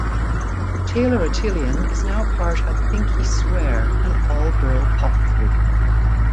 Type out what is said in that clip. Taylor Atelian is now part of Pink-E-Swear, an all-girl pop group.